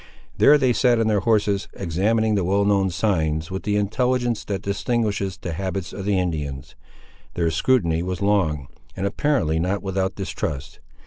There they sat on their horses, examining the well known signs, with the intelligence that distinguishes the habits of Indians. Their scrutiny was long, and apparently not without distrust.